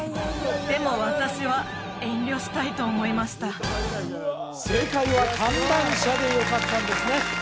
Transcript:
でも私は遠慮したいと思いました正解は「観覧車」でよかったんですね